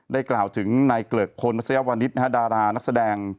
ได้กล่าวถึงนายเกรือกขนทรยาวรณิชฯนะฮะดารานักแสดง